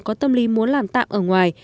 có tâm lý muốn làm tạm ở ngoài